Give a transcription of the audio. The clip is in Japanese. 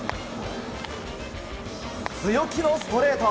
強気のストレート。